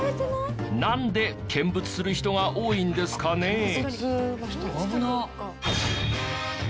なんで見物する人が多いんですかね？